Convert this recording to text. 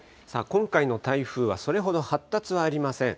今回の台風は、それほど発達はありません。